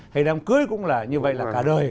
hay đám cưới cũng là như vậy là cả đời